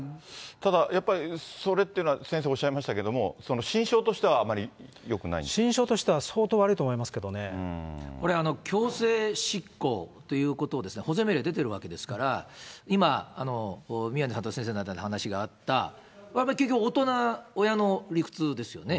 ただ、やっぱりそれっていうのは、先生、おっしゃいましたけど、心証としては相当悪いと思いこれ、強制執行ということを、保全命令が出ているわけですから、今、宮根さんと先生の間で話があった、やっぱり結局、親の理屈ですよね。